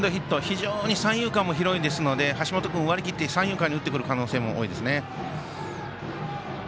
非常に三遊間も広いですので橋本君、割り切って三遊間に打ってくる可能性も多いですね。